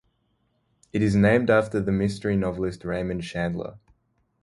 It is named after the mystery novelist Raymond Chandler.